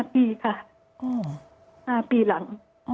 ปีค่ะ๕ปีหลัง